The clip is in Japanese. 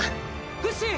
フシ！